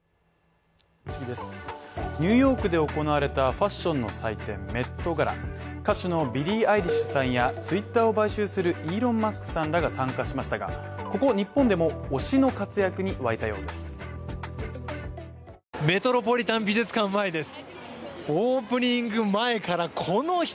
ニューヨークで行われたファッションの祭典・メットガラ歌手のビリー・アイリッシュさんやＴｗｉｔｔｅｒを買収するイーロン・マスクさんらが参加しましたがここ日本でも、推しの活躍にわいたようです。